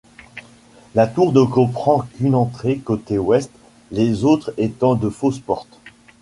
La tour ne comprend qu'une entrée, côté ouest, les autres étant de fausses portes.